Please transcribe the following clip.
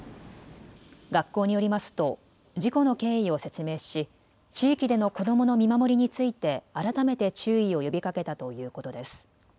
学校によりますと事故の経緯を説明し地域での子どもの見守りについて改めて注意を呼びかけたということです。